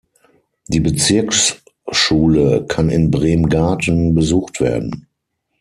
Die Bezirksschule kann in Bremgarten besucht werden.